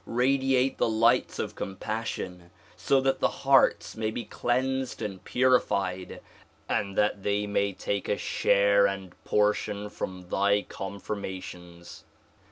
Radi ate the lights of compassion so that the hearts may be cleansed and purified and that they may take a share and portion from thy confirmations.